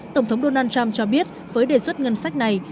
tổng thống donald trump cho biết với đề xuất ngân sách này